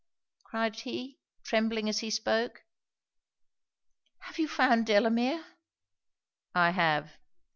cried he, trembling as he spoke. 'Have you found Delamere?' 'I have.'